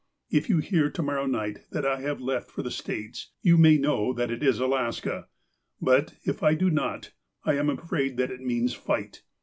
If you hear, to morrow night, that I have left for the States, you may know that it is Alaska. But, if I do not, I am afraid that it means fight.